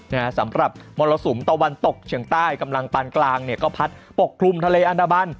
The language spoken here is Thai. นะฮะสำหรับมรสุมตะวันตกเฉียงใต้กำลังปานกลางเนี่ยก็พัดปกคลุมทะเลอันดาบัน